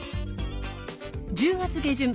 １０月下旬